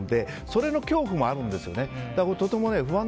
それの恐怖もあるんですよね。